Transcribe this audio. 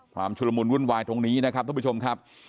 ชุดละมุนวุ่นวายตรงนี้นะครับท่านผู้ชมครับ